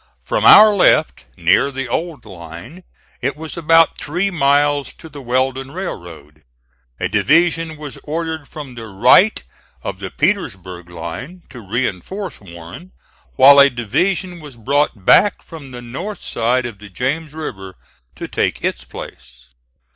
From our left, near the old line, it was about three miles to the Weldon Railroad. A division was ordered from the right of the Petersburg line to reinforce Warren, while a division was brought back from the north side of the James River to take its place.